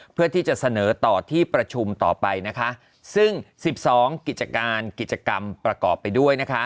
เพื่อที่จะเสนอต่อที่ประชุมต่อไปนะคะซึ่งสิบสองกิจการกิจกรรมประกอบไปด้วยนะคะ